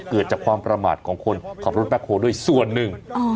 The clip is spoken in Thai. เกิดจากความประมาทของคนขับรถแบ็คโฮลด้วยส่วนหนึ่ง